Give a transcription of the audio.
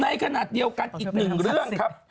ในขณะเดียวกันอีกหนึ่งเรื่องครับ